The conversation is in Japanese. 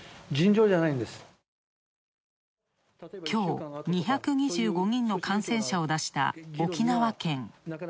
きょう、２２５人の感染者を出した、沖縄県。